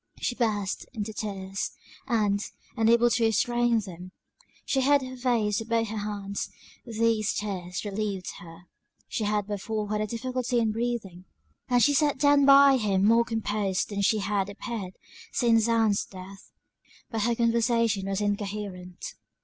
She burst into tears; and, unable to restrain them, she hid her face with both her hands; these tears relieved her, (she had before had a difficulty in breathing,) and she sat down by him more composed than she had appeared since Ann's death; but her conversation was incoherent.